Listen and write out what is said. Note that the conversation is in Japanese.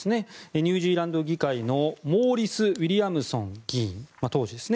ニュージーランド議会のモーリス・ウィリアムソン議員当時ですね。